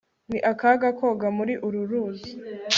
ni akaga koga muri uru ruzi